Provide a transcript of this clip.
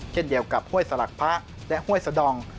เช่นเดียวกับห้วยสลักพระและห้วยสดอง